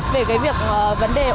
về việc vấn đề ô nhiễm